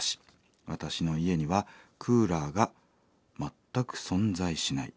私の家にはクーラーが全く存在しない。